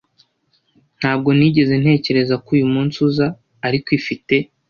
Ntabwo nigeze ntekereza ko uyumunsi uza ariko ifite